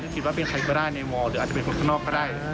คิดว่าเป็นใครก็ได้ในวอร์หรืออาจจะเป็นคนข้างนอกก็ได้